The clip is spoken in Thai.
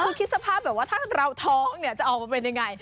คุณคิดสภาพแบบว่าถ้าเราท้องเนี่ยจะออกมาเป็นยังไง